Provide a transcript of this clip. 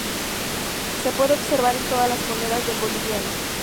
Se puede observar en todas las monedas del boliviano.